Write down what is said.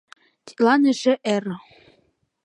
Тидлан эше эр.